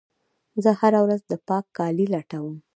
زه هره ورځ د پاک کالي لټوم.